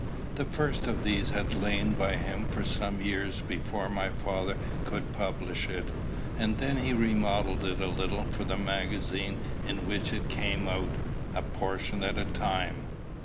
The first of these had lain by him for some years before my father could publish it; and then he remodelled it a little for the magazine in which it came out, a portion at a time.